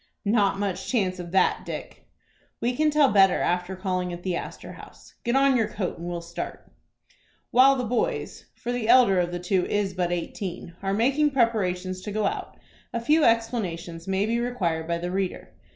"Not much chance of that, Dick." "We can tell better after calling at the Astor House. Get on your coat and we'll start." While the boys, for the elder of the two is but eighteen are making preparations to go out, a few explanations may be required by the reader.